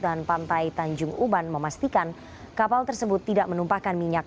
dan pantai tanjung uban memastikan kapal tersebut tidak menumpahkan minyak